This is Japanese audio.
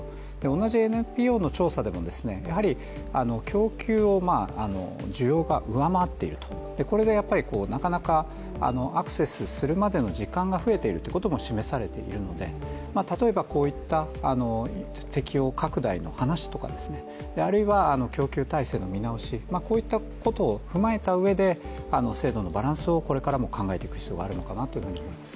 同じＮＰＯの調査でも、供給を需要が上回っていると、これがなかなかアクセスするまでの時間が増えているということも示されているので、例えばこういった適用拡大の話とか、あるいは供給体制の見直しといったことを踏まえたうえで制度のバランスをこれからも考えていく必要があるのかなと思います。